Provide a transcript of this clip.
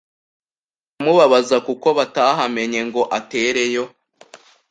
Biramubabaza kuko batahamenye ngo atereyo